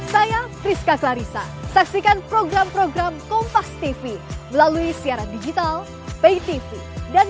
saya priska clarissa saksikan program program kompas tv melalui siaran digital pay tv dan